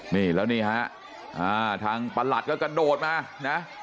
นี่แล้วนี่ฮะทางประหลัดก็กระโดดมานะ